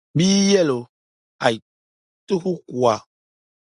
"bɛ yɛli o, "Aai, ti ku ku a."